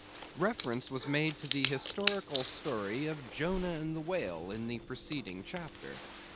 Reference was made to the historical story of Jonah and the whale in the preceding chapter.